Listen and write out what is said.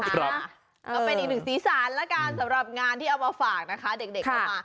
ก็เป็นอีกหนึ่งสีสารแล้วกันสำหรับงานที่เอามาฝากนะคะเด็กก็มา